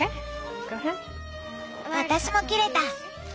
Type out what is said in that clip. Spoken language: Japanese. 私も切れた！